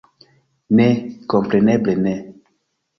Ne, kompreneble ne!